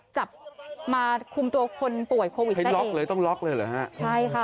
จับมาคุมตัวคนป่วยโควิดให้ล็อกเลยต้องล็อกเลยเหรอฮะใช่ค่ะ